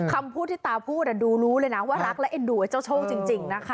คำพูดที่ตาพูดดูรู้เลยนะว่ารักและเอ็นดูไอ้เจ้าโชคจริงนะคะ